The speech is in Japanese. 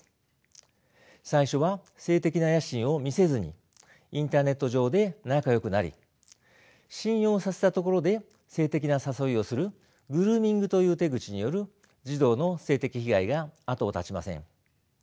最初は性的な野心を見せずにインターネット上で仲よくなり信用させたところで性的な誘いをするグルーミングという手口による児童の性的被害が後を絶ちません。